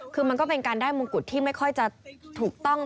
คือมันก็เป็นการได้มงกุฎที่ไม่ค่อยจะถูกต้อง